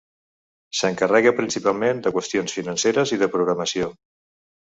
S'encarrega principalment de qüestions financeres i de programació.